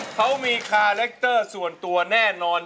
เขามีคาแรคเตอร์ส่วนตัวแน่นอน